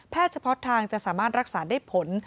เฉพาะทางจะสามารถรักษาได้ผล